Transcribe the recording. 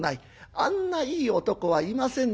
あんないい男はいませんね。